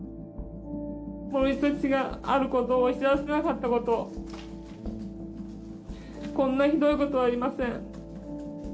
盛り土があることを知らせなかったことこんなひどいことはありません。